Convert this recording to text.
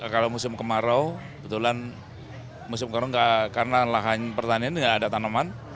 kalau musim kemarau kebetulan musim kemarau karena lahan pertanian gak ada tanaman